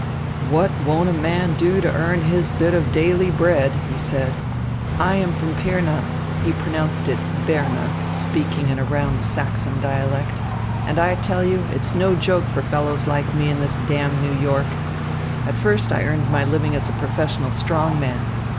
"What won't a man do to earn his bit of daily bread!" he said. "I am from Pirna" he pronounced it "Berna," speaking in a round Saxon dialect "and I tell you, it's no joke for fellows like me in this damned New York. At first I earned my living as a professional strong man.